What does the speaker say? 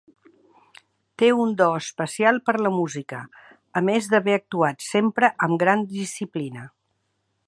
Té un do especial per la música, a més d'haver actuat sempre amb gran disciplina.